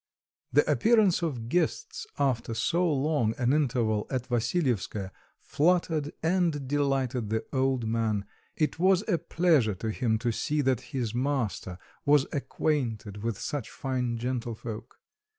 The appearance of guests after so long an interval at Vassilyevskoe fluttered and delighted the old man. It was a pleasure to him to see that his master was acquainted with such fine gentlefolk.